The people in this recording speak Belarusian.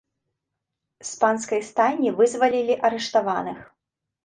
З панскай стайні вызвалілі арыштаваных.